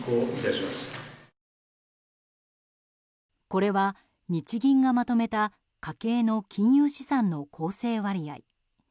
これは日銀がまとめた家計の金融資産の構成割合。